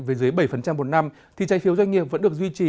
về dưới bảy một năm thì trái phiếu doanh nghiệp vẫn được duy trì